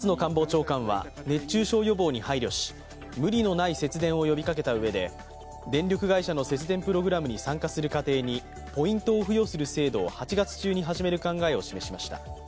松野官房長官は熱中症予防に配慮し無理のない節電を呼びかけたうえで電力会社の節電プログラムに参加する家庭にポイントを付与する制度を８月中に始める考えを示しました。